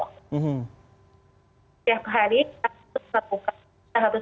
setiap hari kita harus melaporkan keadaan kita masuk ke tubuh dua kali sehari